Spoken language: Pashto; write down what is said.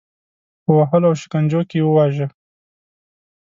په وهلو او شکنجو کې وواژه.